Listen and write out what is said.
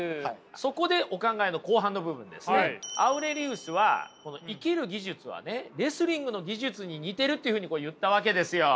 そこでお考えの後半の部分ですねアウレリウスは生きる技術はレスリングの技術に似ているっていうふうに言ったわけですよ。